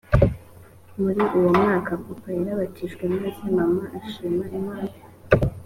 muri uwo mwaka papa yarabatijwe maze mama arishima cyane